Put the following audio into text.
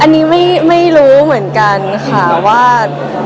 อันนี้ไม่รู้เหมือนกันค่ะว่า